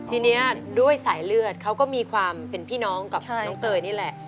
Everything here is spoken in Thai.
ทีนี้ด้วยสายเลือดเขาก็มีความเป็นพี่น้องกับน้องเตยนี่แหละ